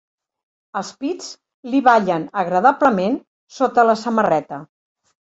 Els pits li ballen agradablement sota la samarreta.